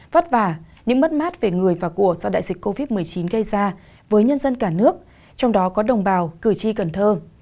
vất vả những mất mát về người và của do đại dịch covid một mươi chín gây ra với nhân dân cả nước trong đó có đồng bào cử tri cần thơ